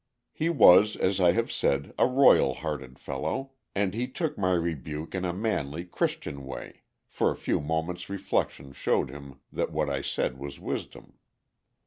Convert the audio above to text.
He was, as I have said, a royal hearted fellow, and he took my rebuke in a manly, Christian way, for a few moments' reflection showed him that what I said was wisdom.